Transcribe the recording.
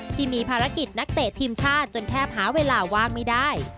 ที่มีภารกิจนักเตะทีมชาติจนแทบหาเวลาว่างไม่ได้